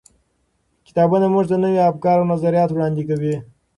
کتابونه موږ ته نوي افکار او نظریات وړاندې کوي.